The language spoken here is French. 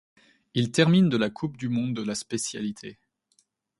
Il termine de la Coupe du monde de la spécialité.